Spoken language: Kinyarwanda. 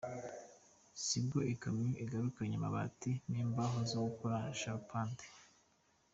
Sibwo ikamyo igarukanye amabati n’imbaho zo gukora charpante.